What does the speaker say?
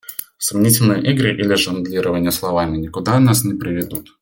Сомнительные игры или жонглирование словами никуда нас не приведут.